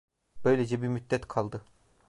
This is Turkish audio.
Böylece bir müddet kaldı.